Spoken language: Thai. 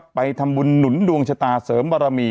อาวาสแห่งนี้ครับไปทำบุญหนุนดวงชะตาเสริมบารมี